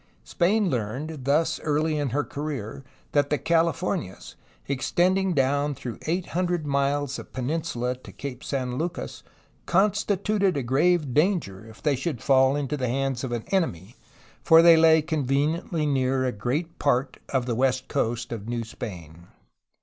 Spain learned, thus early in her career, that the Californias, extending down through the eight hundred mile peninsula to Cape San Lucas, constituted a grave danger if they should fall into the hands of an enemy, for they lay conveniently near a great 112 GALI AND RODRIGUEZ CERMENHO 113 part of the west coast of New Spain.